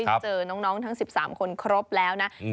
เจอน้องทั้ง๑๓คนครบแล้วนะ